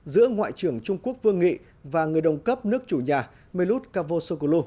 giữa ngoại trưởng trung quốc vương nghị và người đồng cấp nước chủ nhà melut cavosokulo